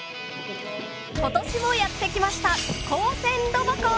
今年もやってきました